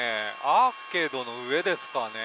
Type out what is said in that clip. アーケードの上ですかね。